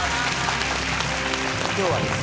今日はですね